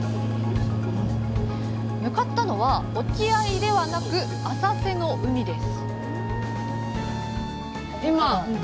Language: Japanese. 向かったのは沖合ではなく浅瀬の海です